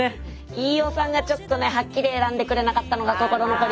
飯尾さんがちょっとねはっきり選んでくれなかったのが心残りですね。